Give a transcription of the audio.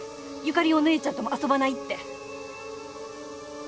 ユカリお姉ちゃんとも遊ばないって。